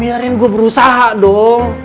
biarin gue berusaha dong